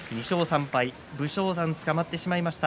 武将山つかまってしまいました。